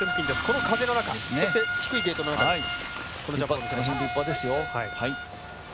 この風の中そして低いゲートの中大変、立派ですよ。